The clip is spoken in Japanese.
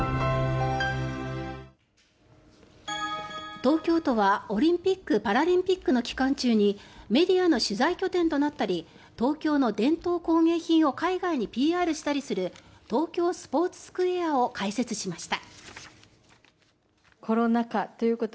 東京都はオリンピック・パラリンピックの期間中にメディアの取材拠点となったり東京の伝統工芸品を海外にＰＲしたりする東京スポーツスクエアを開設しました。